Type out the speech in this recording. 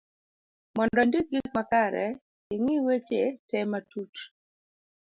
mondo indik gik makare,i ng'i weche te matut